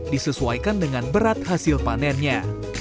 disesuaikan dengan berat hasil panennya